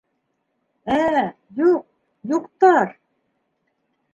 Ә - юҡ... юҡтар.